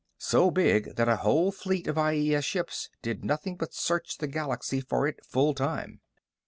So big that a whole fleet of IES ships did nothing but search the galaxy for it, full time.